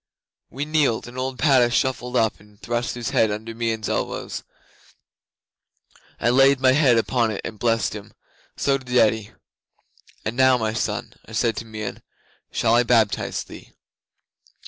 'We kneeled, and old Padda shuffled up and thrust his head under Meon's elbows. I laid my hand upon it and blessed him. So did Eddi. '"And now, my son," I said to Meon, "shall I baptize thee?"